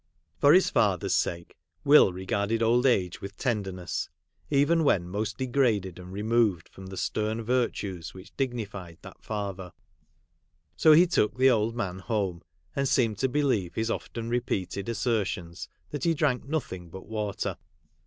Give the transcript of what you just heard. For his father's sake Will regarded old age with tenderness, even when most degraded and removed from the stern virtues which dig nified that father ; so he took the old man home, and seemed to believe his often re peated assertions that he drank nothing but water.